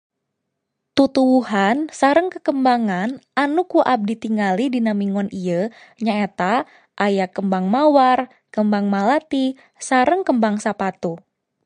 Tutuwuhan sareng kekembangan anu ku abdi tingali dina mingon ieu nyaeta aya kembang mawar, kembang malati, sareng kembang sapatu.